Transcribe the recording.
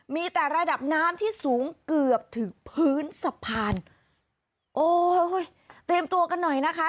มีแต่ระดับน้ำที่สูงเกือบถึงพื้นสะพานโอ้ยเตรียมตัวกันหน่อยนะคะ